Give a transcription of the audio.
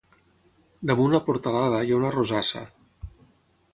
Damunt la portalada hi ha una rosassa.